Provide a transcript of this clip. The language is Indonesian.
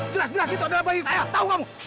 jelas jelas itu adalah bayi saya tahu kamu